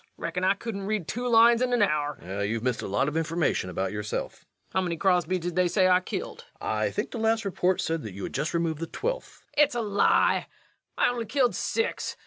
Reckon I couldn't read two lines in a hour. REVENUE. You've missed a lot of information about yourself. LUKE. How many Crosbys did they say I killed? REVENUE. I think the last report said you had just removed the twelfth. LUKE. It's a lie! I only killed six